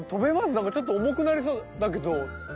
なんかちょっと重くなりそうだけど。